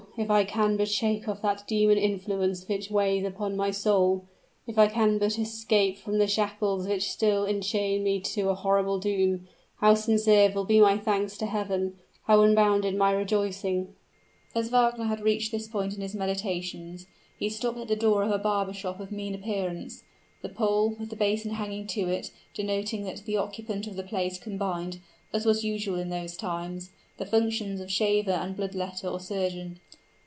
if I can but shake off that demon influence which weighs upon my soul if I can but escape from the shackles which still enchain me to a horrible doom, how sincere will be my thanks to Heaven, how unbounded my rejoicings!" As Wagner had reached this point in his meditations, he stopped at the door of a barber shop of mean appearance the pole, with the basin hanging to it, denoting that the occupant of the place combined, as was usual in those times, the functions of shaver and blood letter or surgeon.